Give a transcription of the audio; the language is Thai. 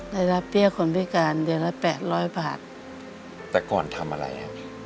ได้รับเบี้ยคนพิการเดือนละแปดร้อยบาทแต่ก่อนทำอะไรครับ